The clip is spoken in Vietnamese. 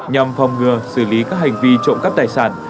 nhằm phòng ngừa xử lý các hành vi trộm cắp tài sản